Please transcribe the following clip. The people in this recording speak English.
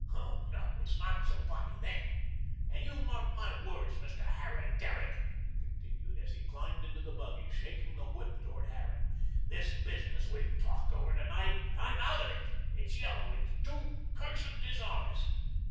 Oh, no. It's not so funny then. And you mark my words, Mr. Harran Derrick," he continued, as he climbed into the buggy, shaking the whip toward Harran, "this business we talked over to night I'm OUT of it. It's yellow. It's too CURSED dishonest."